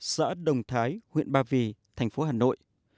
xã đồng thái huyện ba vì thành phố hà nội